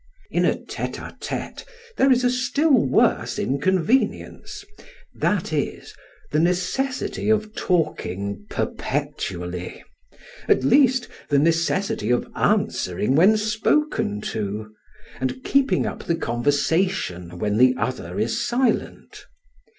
In a tete a tete there is a still worse inconvenience; that is; the necessity of talking perpetually, at least, the necessity of answering when spoken to, and keeping up the conversation when the other is silent.